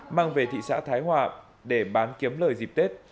mang về thị xã thái hòa để bán kiếm lời dịp tết